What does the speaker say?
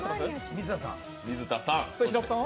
水田さん。